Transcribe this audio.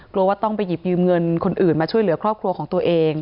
ว่าต้องไปหยิบยืมเงินคนอื่นมาช่วยเหลือครอบครัวของตัวเอง